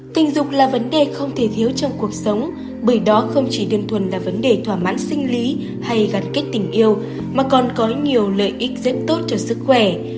tình dục là vấn đề không thể thiếu trong cuộc sống bởi đó không chỉ đơn thuần là vấn đề thỏa mãn sinh lý hay gắn kết tình yêu mà còn có nhiều lợi ích rất tốt cho sức khỏe